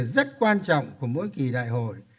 rất quan trọng của mỗi kỳ đại hội